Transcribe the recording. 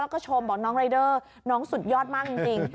แล้วก็ชมบอกน้องรายเดอร์น้องสุดยอดมากจริง